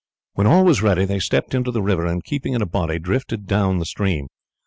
When all was ready they stepped into the water, and keeping in a body, drifted down the stream.